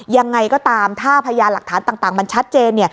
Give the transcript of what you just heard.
ยังไงก็ตามถ้าพยานหลักฐานต่างมันชัดเจน